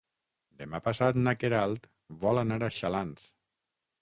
Demà passat na Queralt vol anar a Xalans.